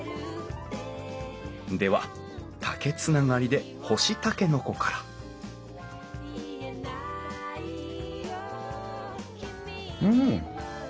では竹つながりで干しタケノコからうん！